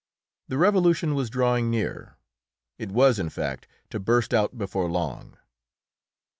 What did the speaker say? The Revolution was drawing near; it was, in fact, to burst out before long.